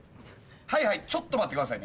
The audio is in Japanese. はいはいちょっと待ってくださいね。